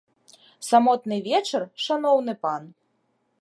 Самотны вечар, шаноўны пан.